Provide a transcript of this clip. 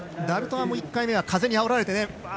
ダルトワも１回目は風にあおられて。